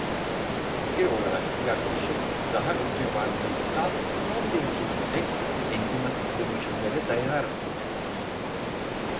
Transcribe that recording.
Fikir olarak bu yaklaşım daha önce varsayımsal son derece yüksek enzimatik dönüşümlere dayanarak önerilmişti.